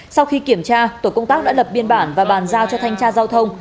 sau khi kiểm tra tổ công tác đã lập biên bản và bàn giao cho thanh tra giao thông